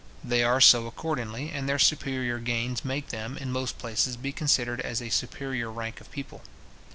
They are so accordingly, and their superior gains make them, in most places, be considered as a superior rank of people.